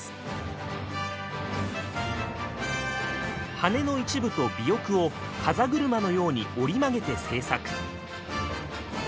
羽の一部と尾翼を風車のように折り曲げて製作。